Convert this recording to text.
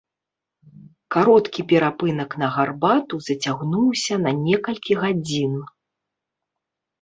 Кароткі перапынак на гарбату зацягнуўся на некалькі гадзін.